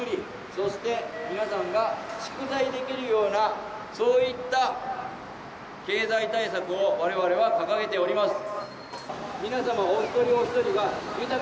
そして皆さんが宿題をできるようなそういった経済対策を我々は掲げております。